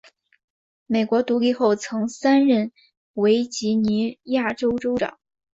美国独立后曾三任维吉尼亚州州长。